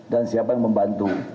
dan siapa yang membantu